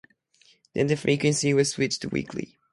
Then the frequency was switched to weekly.